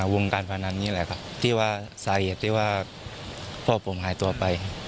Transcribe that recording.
วงการพนันนี่แหละครับที่ว่าสาเหตุที่ว่าพ่อผมหายตัวไป